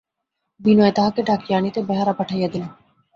বিনয় তাঁহাকে ডাকিয়া আনিতে বেহারা পাঠাইয়া দিল।